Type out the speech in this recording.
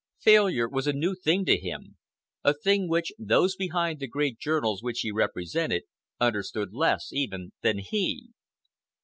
Failure was a new thing to him—a thing which those behind the great journals which he represented understood less, even, than he.